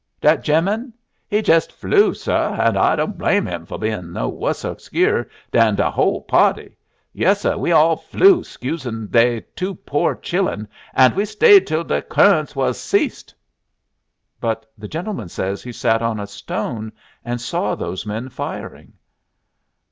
"Dat gemman? He jes flew, sir, an' I don' blame him fo' bein' no wusser skeer'd dan de hole party. Yesser, we all flew scusin' dey two pore chillun; an' we stayed till de 'currence was ceased." "But the gentleman says he sat on a stone, and saw those men firing."